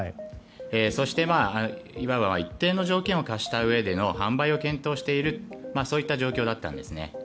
そして、一定の条件を課したうえでの販売を検討しているそういった状況だったんですね。